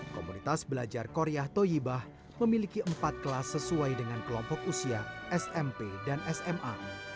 komunitas belajar korea toyibah memiliki empat kelas sesuai dengan kelompok usia smp dan sma